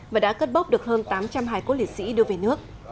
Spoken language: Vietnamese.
và đã cất bốc được hơn tám trăm linh hải cốt liệt sĩ đưa về nước